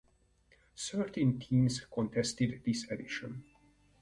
Thirteen teams contested this edition.